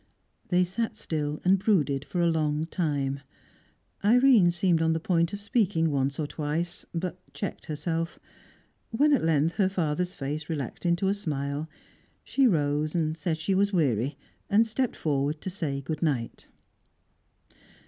They sat still and brooded for a long time. Irene seemed on the point of speaking once or twice, but checked herself. When at length her father's face relaxed into a smile, she rose, said she was weary, and stepped forward to say good night.